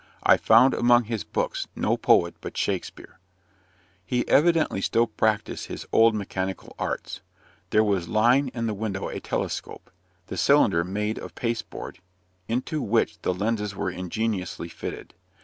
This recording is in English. I found among his books no poet but Shakspeare. He evidently still practised his old mechanical arts. There was lying in the window a telescope the cylinder made of pasteboard into which the lenses were ingeniously fitted.